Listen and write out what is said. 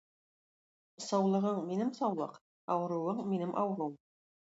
Саулыгың - минем саулык, авыруың - минем авыруым.